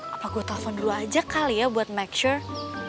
apa gue telepon dulu aja kali ya buat make sure